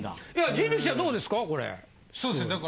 人力舎どうですか？